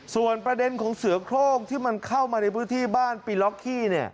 ส่วนประเด็นของเสือโครงที่มันเข้ามาในพื้นที่บ้านปีล็อกขี้